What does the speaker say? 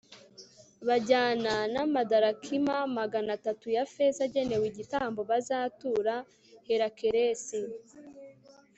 bajyana n'amadarakima magana atatu ya feza agenewe igitambo bazatura herakelesi